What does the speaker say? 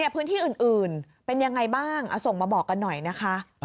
พื้นที่อื่นเป็นยังไงบ้างส่งมาบอกกันหน่อยนะคะ